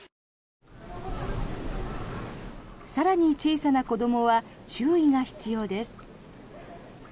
更に小さな子どもは注意が必要です。